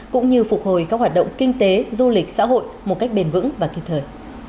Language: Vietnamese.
cũng như phục hồi các hoạt động kinh tế du lịch xã hội một cách bền vững và kịp thời